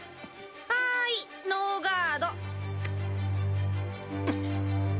はいノーガード。